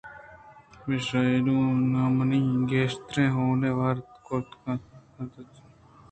پمیشا اے نوں نا منی گیشتریں حونے وارت کُت کننت ءُ نا چداں چہ بال کُت ءُ شُت کناں